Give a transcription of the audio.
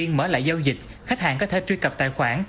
trong thời gian mở lại giao dịch khách hàng có thể truy cập tài khoản